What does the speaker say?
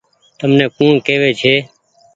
تم ني ڪوڻ ڪيوي ڇي ۔